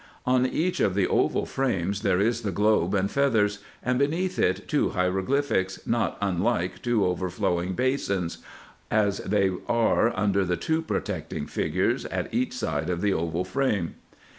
On each of the oval frames there is the globe and feathers, and beneath it two hiero glyphics not unlike two overflowing basins, as they are under the two protecting figures at each side of the oval frame.